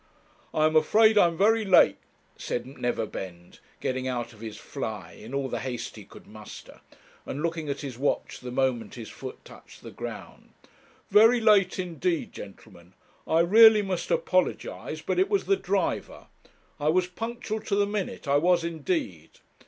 'I am afraid I am very late,' said Neverbend, getting out of his fly in all the haste he could muster, and looking at his watch the moment his foot touched the ground, 'very late indeed, gentlemen; I really must apologize, but it was the driver; I was punctual to the minute, I was indeed.